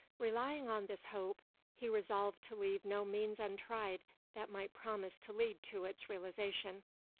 Relying on this hope, he resolved to leave no means untried that might promise to lead to its realisation.